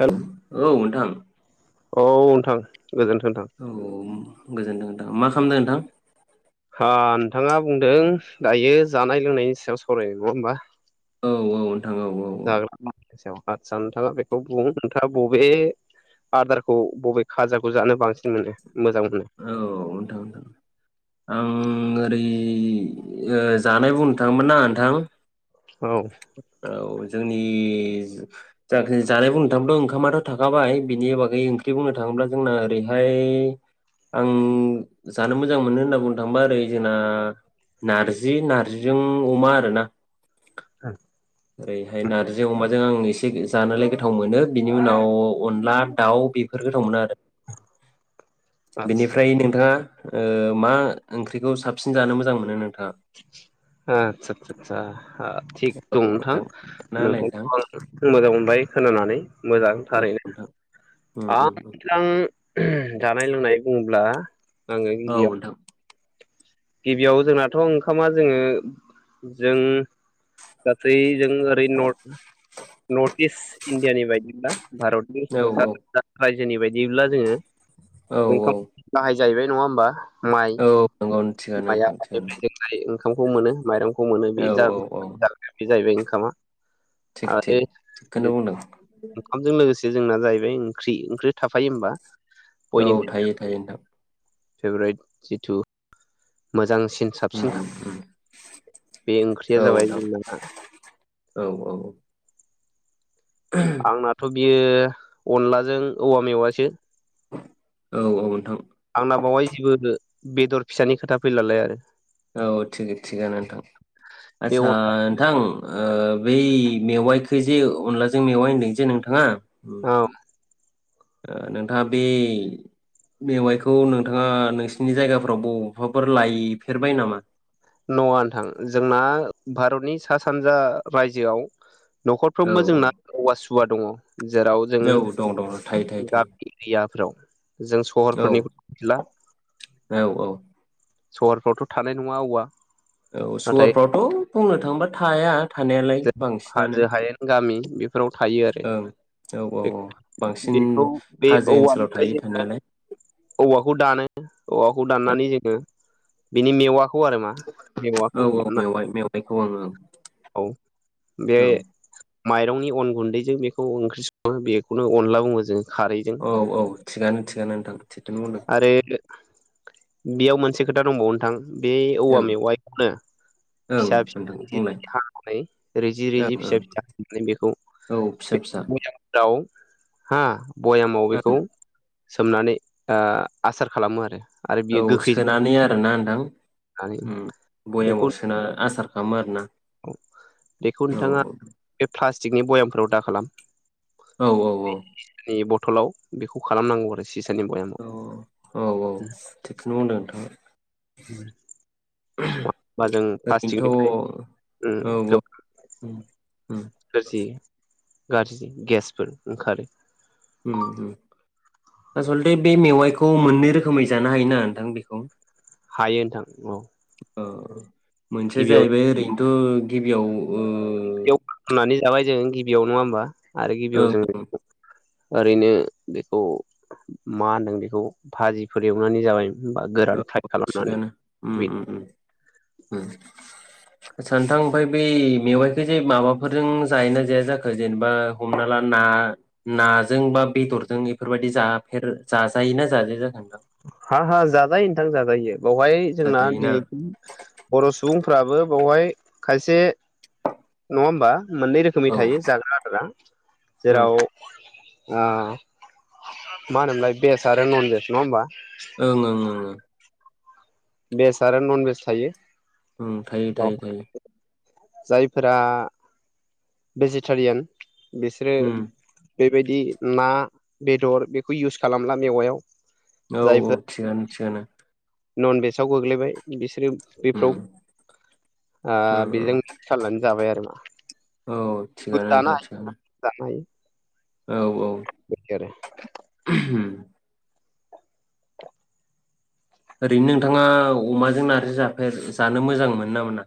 Hello औ नोंथां औ नोंथां गोजोन्थों नोंथां औ गोजोनथों। मा खालामदों नोंथां? आन नोंथाङा बुंदों दायो जानाय लोंनायनि सायाव सावरायगोन नङा होमबा? औ औ नोंथां औ। औ जाग्रा आदारनि सायाव आदसा नोंथाङा बेखौ बुं नोंथाङा बबे आदारखौ बबे खाजाखौ जानो बांसिन मोनो मोजां मोनो औ नोंथां आं ओरै ऐ ओ जानाय बुंनो थाङोबाना नोंथां औ औ। जोंनि जाखि जानाय बुंनो थाङोब्ला' ओंखामाथ' थाखाबाय बेनि बागै ओंख्रि बुंनो थाङोब्ला जोंना ओरैहाय ओमफ्राय आं जानो मोजां मोनो होनना बुंनो थांबा ओरै जोंना नार्जि नार्जिजों अमा आरोना। [unintelligible] ओरैहाय नारजि अमा जों आं एसे जानोलाय गोथाव मोनो बिनि उनाव अनला दाउ बेफोर गोथाव मोनो आरो। आदसा बेनिफ्राय नोंथाङा? ओ मा ओंख्रिखौ साबसिन जानो मोजां मोनो नों आ आतसासासा। हा थिग औ दं नोंथां खोन्थाना होलाय नोंथां नोंथांखौ आं मोजां मोनबाय खोनानानै मोजां औ थारैनो नोंथां उम आं उम नोंथां जानाय लोंनाय बुङोब्ला आङो औ गिबियाव नोंथां गिबियाव जोंनाथ' ओंखामा जोङो जों गासै जों ओरै नर्ट नर्टिस इण्डिया नि बायदिब्ला भारतनि औ सा औ सान्जा राज्यो जोंनि बायदिब्ला जोङो। औ ओंखाम बाहाय जाहैबाय नङा होनबा? औ। नंगौ थिगानो माय नोंथां थिगानो आबादनिफ्राय जों [unintelligible] ओंखामखौ मोनो माइरं खौ मोनो बे औ जा औ औ बे जाहैबाय खामा थिग थिग आरो थिगखौनो [unintelligible] बुंदों ओंखामजों लोगोसे जोंना जाहैबाय ओंख्रि ओंख्रि थाफायो होमबा। औ बयनिख्रुइ थायो थायो नोंथां फेभरेट जिथु मोजांसिन उम साबसिन उम बे ओंख्रिया औ जाबाय नोंथां जोंना औ आंनाथ बि बियो अनलाजों औवा मेवायसो औ औ नोंथां आंना बावाय जेबो बेदर फिसानि खोथा फैलालाय आरो। औ थि-थिगानो नोंथां बे आतसा अनला नोंथां बै मेवायखैजे अनलाजों मेवाय होन्दों जे नोंथाङा औ अम ओ नोंथाङा बे मेवायखौ नोंथाङा नोंसिनि जायगाफोराव बबावबाफोर लायफेरबाय नामा? नङा नोंथां जोंना भारतनि सा सानजा रायजोआव औ न'खरफ्रोमबो औ जोंना औवा सुबा दङ। जेराव जों औ दं दं थायो थायो गामि एरियाफ्राव जों सहरफोरनिखौ थायो मिथिला औ औ सहरफ्रावथ' थानाय नङा औवा औ सहरफ्रावथ बुंनो थांबा थाया थानायालाय जे बांसिनानो हाजो हायेन गामि बेफोराव थायो आरो ओं औ औ बांसिन बेखौ बे हाजो ओनसोलाव औवानिफ्राय थायो जोंहा थानायालाय औ वाखौ दानो औवाखौ दाननानै जोंङो बिनि मेवा औ औ मेवाय-मेवायखौ ओं ओं औ बे मायरंनि अन गुन्दैजों बेखौ ओंख्रि संङो बेखौनो अनला बुङो जों। खारैजों औ औ थिगानो-थिगानो नोंथां थिगानो बुंदों आरो बेयाव मोनसे खोथा दंबावो नोंथां बे औवा ओं मेवायखौनो ओं नोंथां फिसा-फिसा बुंलाय रिजि-रिजि हानानै रिजि-रिजि ओं ओं फिसा-फिसा हानानै बेखौ औ फिसा बे फिसा भयामफोराव हा भयामाव बेखौ ओं सोमनानै आह आसार खालामो आरो। आरो बियो ओउ गोखै सोनानै आरोना नोंथां जानानै ओम बयामाव सोना आसार। खाम आर ना। औ बेखौ नोंथाङा बे फ्लास थिकनि बयामफोराव दा खालाम। ओउ ओउ ओउ। नि बथलाव बेखौ खालामनांगौ आरो सि ओउ ओउ ओउ ओउ थिखोनो बुंदो नोंथाङा। बा जों ओरैनोथ' ओउ प्लास्टिकनिफ्राय ओउ ओम। गारजि गारजि गेसफोर ओंखारो। ओम होम आसलथे बे मेवाइखौ मोननै रोखोमै जानो हायो ना नोंथां बेखौ। हायो नोंथां ओउ। ओउ। मोनसेया जाहैबाय ओरैन त गिबियाव। ओ एव नानि जाबाय जों। गिबियाव नङा ओमबा। आरो गिबियाव ओं जों ओं ओरैनो बेखौ मा होनदों बेखौ भाजिफोर एवनानै जाबाय। बा गोरान फ्राय ओउ खालामनानै थिगानो ओम बिदि ओम ओम ओम आतसा नोंथां। फाय बै मेवाइखो जे माबाफोरजों जायोना जाया जाखो जेनबा हमना ला ना नाजों बा बेदरजों इफोरबायदि जाफेर जाजायोना जाजाया जाखो? हा हा जा जायो। थां जा जायो। बौवहाय जोंना जाजायोना फ्राबो बौहाय खायसे नङा ओमबा। मोननै रोखोमै औ थायो जाग्रा ओं आदारा आह मा होनोमोनलाय बेस आरो नन बेज नङा होमबा। ओं ओं ओं ओं। बेज आरो नन बेज थायो। ओम बाव जायफोरा बेजिटारियान। बेसोरो उम बेबायदि ना, बेदर बेखौ इउस खालामला मेवाइयाव। औ औ थिगानो। थिगानो। ननभेजाव गोग्लैबाय बिसोरो उम बेफोराव ओ उम बेजों उम साननानै जाबाय आरोमा औ थिगानो जानो नोंथां थिगानो हायो जानो हायो। औ औ बिदि आरो [inaudible] ओरैनो नोंथाङा अमाजों नार्जि जाफेर जानो मोजां मोनो ना मोना?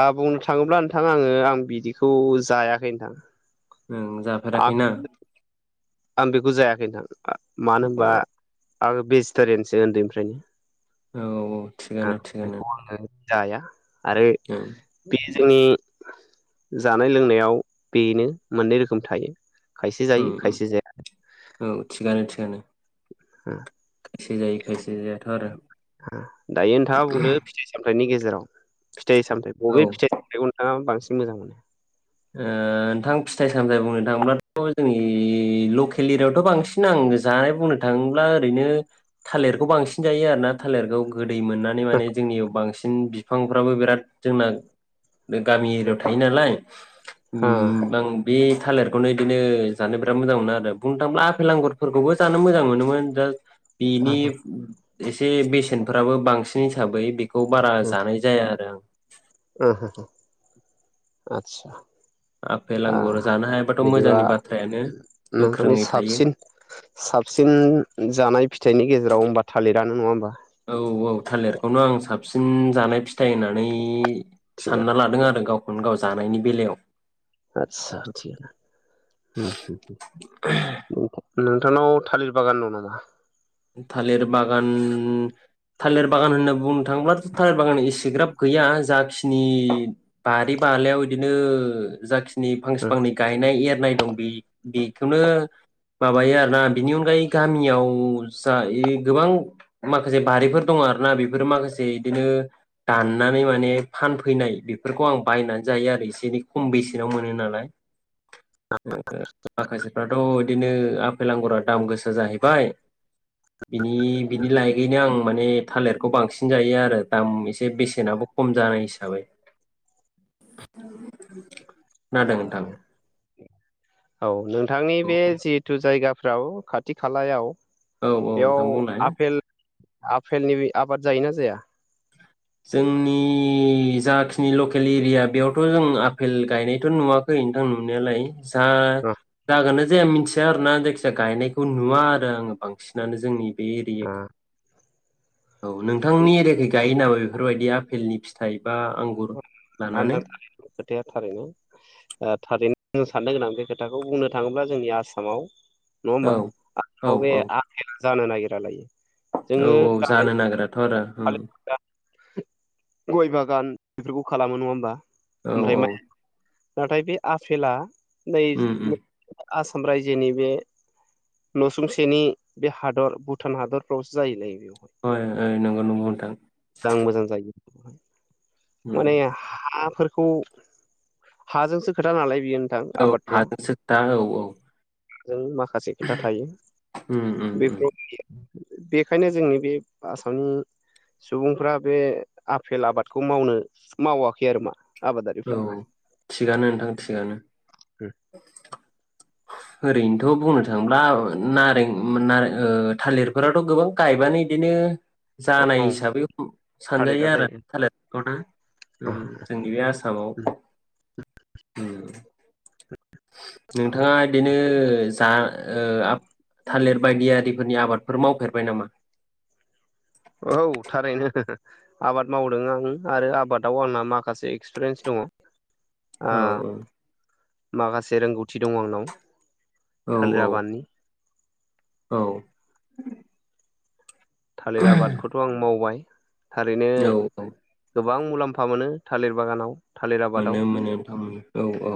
आ बुंनो थाङोब्ला नोंथां आङो आं बिदिखौ जायाखै नोंथां। ओं आं जाफेराखैना आं बेखौ जाया बे नोंथां औ मानो होनबा आङो भेजिटेरियानसो उन्दैनिफ्रायनो। औ औ। औ थिगानो थिगानो बेखौ आङो जाया। आरो बे ओं बि जोंनि जानाय लोंनायाव बेनो मोननै रोखोम थायो। खायसे उम जायो खायसे जाया। गानो। [inaudible] खायसे जायो खायसे जाया। दायो नोंथाङा बुंदो फिथाइ सामथाइनि गेजेर जेराव फिथाइ सामथाय औ ओ बबे फिथाइ सामथायखौ नोंथाङा बांसिन मोजां मोनो? ओ नोंथां फिथाइ सामथाइ बुंनो थाङोब्लाथ' जोंनि लकेल एरियावथ' बांसिन आं जानाय बुंनो थाङोब्ला ओरैनो थालिरखौ बांसिन जायो आरोना थालिरखौ गोदै मोननानै माने जोंनियाव बांसिन [unintelligible] बिफांफ्राबो बिराद जोंना बे गामि एरियायाव थायो नालाय हो। उम आं बे थालिरखौनो बिदिनो जानो बिराद मोजां मोनो आरो बुंनो थाङोब्ला आफेल आांगुरफोरखौबो जानो मोजां मोनोमोन दा बिनि एसे बेसेनफोराबो बांसिनै हिसाबै बेखौ बारा जानाय जाया आरो आं। [unintelligible] ओ हो आतसा आफेल अ आंगुर जानो हायाबाथ' बिदिबा मोजांनि बाथ्रायानो नोंथांनि गोख्रोङै थायो साबसिन साबसिन जानाय फिथाइनि गेजेराव होमबा थालिर जानो नङा होमबा । औ औ थालिरखौनो आं साबसिन जानाय फि फिथाइ होननानै थिगानो सानना लादों आरो गाव औ जानायनि बेलायाव आतसा थि गानो हुम हुम उम । नोंथांनाव थालिर बागान दं नामा? थालिर बागान थालिर बागान होनना बुंनो थाङोबथ' थालिर बागान एसेग्राब गैया जाखिनि बारि बालायाव बिदिनो जाखि फांसेफांनि गायनाय ए नाय दं बेखौनो माबायो आरोना बिनि अनगायै गामियाव फसा गोबां माखासे बारिफोर दङ आरोना बेफोरो माखासे बिदिनो दाननानै माने फानफैनाय बेफोरखौ आं बायनानै जायो आरो एसे एनै खम बेसेनाव मोनो नालाय आखखसे थ' बिदिनो आफेल आंगुरा दाम गोसा जाहैबाय । बिनि बिनि लायगैनो आं माने थालिरखौ बांसिन जायो आरो दाम एसे बेसेनाबो खम जानाय हिसाबै । खोनादों नोंथां? औ नों नोंथांनि बे जिहेथु जायगा फ्राव खाथि खालायाव औ औ बेयाव नोंथां बुंलाय आफपेल आफेलनि आबाद जायोना जाया? जोंनि जाखिनि लकेल एरिया बेयावथ' जों आपेल गायनायथ' नुवाखै नोंथां नुनायालाय । जा जागो जाया मिथिया आरोना जायखिजाया गायनायखौ नुवा आरो आङो बांसिनानो जोंनि बे एरियाखौ । औ नोंथांनि एरियाखै गायो नामा? बेफोरबायदि आफेलनि फिथाइ बा आंगुर आ लानानै खोथाया थारै । थारैनो साननो गोनां बे खोथाखौ बुंनो थाङोब्ला जोंनि आसामाव नङा औ औ औ ओमबा? जानो नागिरा लायो । औ जोङो औ गाहाय जानो नागिराथ' आरो उम [unintelligible] गय बागान । बेफोरखौ खालामो नङा होमबा? औ ओमफ्राय औ मा? नाथाय बे आफेला नै उम उम [unintelligible] आसाम रायजोनि बे नसुंसेनि बे हादर भुटान हादरफ्रावसो जाहैलायबाय। ओ ओइ नंगौ नंगौ नोंथां। मोजां मोजां जायो। उम माने हाफोर खौ हाजोंसो खोथा नालाय। बियो नोंथां औ आबादफ्रा हाजोंसो खोथा औ औ। जों मा खासे खोथा थायो उम उम उम बेफोर बेखायनो जोंनि बे आसामनि सुबुंफ्रा बे आफेल आबादखौ मावनो मावाखै आरो मा‌ औ थिगानो नोंथां थिगानो। उम ओरैनोथ' बुंनो थाङोब्ला नारें नारें ओ थालिरफोराथ' गोबां गायबानो इदिनो जानाय औ हिसाबै थालिरा सानजायो आरो जायो थालिराखौनो जोंनि बे आसामाव। उम नोंथाङा ओ जा ओ थालिर बायदि आरारिफोरनि आबादफोर मावफेरबाय नामा? औ थारैनो आबाद मावदों आं आरो आबादाव आंना माखासे एक्सपिरियेन्स दङ'। आ औ औ माखासे रोंगौथि दङ' आंनाव औ थालिर औ आबादनि। औ थालिर आबादखौथ' आं मावबाय। थारैनो औ औ गोबां मुलाम्फा मोनो थालिर बागानाव, थालिर आबादाव मोनो मोनो नोंथां औ औ।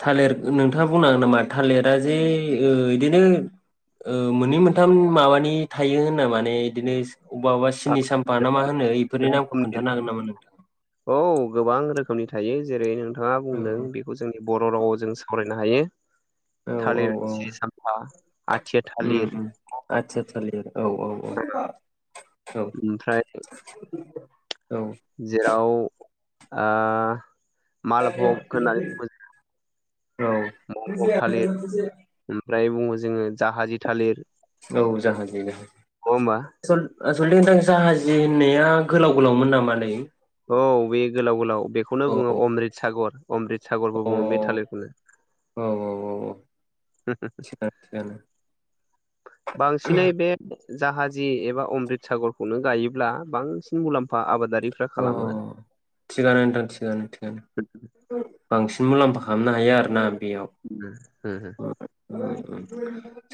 थालिर नोंथाङा बुंनो हागोन नामा? थालिरा जे ओ इदिनो मोननै मोनथाम माबानि थायो होनना माने इदिनो एसे अबा अबा सिनि साम्फा ना मा होनो बेफोरनि नामखौ रोखोमनि खोन्थानो हागोन नामा नोंथाङा? मनि थायो जेरै नोंथाङा बुंदों बेखौ जोंनि बर' राव जों सावराय नो हायो। औ औ थालिर औ सिनि सामफा, आथिया उम थालिर, उम आथिया थालिर औ औ ओमफ्राय औ औ। जेराव आ। मालभग होननानै बुङो औ मालभग थालिर ओमफ्राय बुङो जोङो जाहाजि थालिर औ जाहाजि नङा होमबा [inaudible] आसलथे नोंथां जाहाजि होननाया गोलाव गोलावमोन नामालै? औ बे गोलाव गोलाव बेखौनो अ बुङो अ अमृत सागर अमृत सागरबो औ बुङो बे थालिरखौनो औ थिगानो थिगानो बांसिनै बे जाहाजि एबा अमृत सागरखौनो गायोब्ला बांसिन मुलाम्फा आबादा अ अ अ थिगानो नोंथां थिगानो थिगानो बांस मुलाम्फा खालामनो हायो आरो ना। [unintelligible]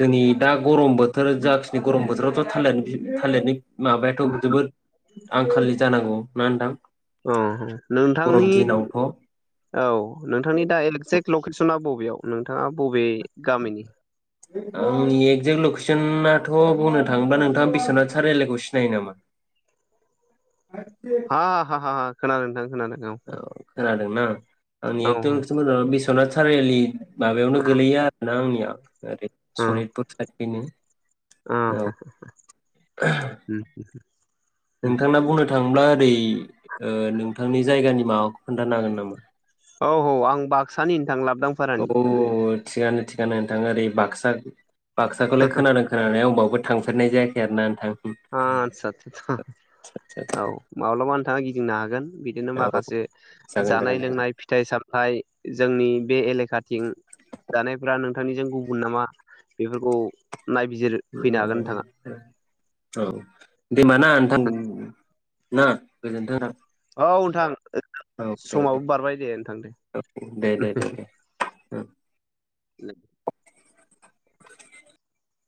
जोंनि दा गरम बोथोर जाखिनि गरम बोथोरावथ' थालिनि बि थालिनि बि माबायाथ' जोबोद आंखालनि जानांगौ [inaudible] अ गरम नोंथांनि दिनावथ' औ नोंथांनि दा एक्जेक्ट लकेसना बबेयाव नोंथाङा बबे गामिनि। आंनि एकजेक्ट लकेसनाथ' बुंनो थाङोब्ला नोंथाङा बिस्वनाथ सारलइखौ सिनायो नामा। हा हा हा हा। खोनानो नोंथां खोनादों। औ खोनादोंना। [unintelligible] आंनि औ आइतेम एसे मोजां आनो बेस नाथ चारि आलि। माबायावनो गोलैयो आरो ना आंनिया। [unintelligible] ओरै सनितपुर साइडनिनो। उम उम नोंथांना बुंनो थाङोब्ला दै ओ नोंथांनि जायगानि माबाखौ खोन्थानो हागोन नामा? औ औ आं बाक्सानि नोंथां ला औ थिगानो थि गानो नोंथां ओरै बाक्सा बाक्साखौलाय खोनादों खोनानानै आं बावबो थांफेरनाय जायाखै आरो ना नोंथां। ओ आदसा आदसा औ माब्लाबा नोंथाङा गिंदिंनो हागोन। बिदिनो औ माखासे जागोन जागोन जागोन जानाय-लोंनाय फिथाइ-सामथाइ जोंनि बे एलेखाथिं जानायफोरा नों नोंथांनिजों गुबुन नामा बेफोरखौ नायबिजिरफैनो हागोन नोंथाङा। औ दे होनबा ना नोंथां। ना गोजोन्थों नोंथां। औ नोंथां दे समाबो बारबाय दे नोंथां दे। दे दे दे [inaudible]